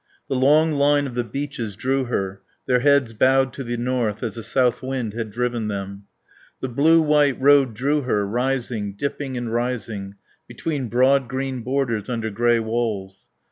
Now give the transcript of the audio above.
The long line of the beeches drew her, their heads bowed to the north as the south wind had driven them. The blue white road drew her, rising, dipping and rising; between broad green borders under grey walls.